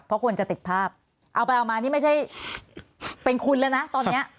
เพราะคนจะติดภาพเอาไปเอามานี่ไม่ใช่เป็นคุณแล้วนะตอนเนี้ย